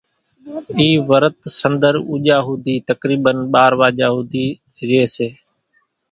اِي ورت سنۮر اُوڄا ۿُودي تقريبن ٻار واڄا ھوڌي رئي سي